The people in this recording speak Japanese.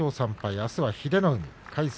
あすは英乃海。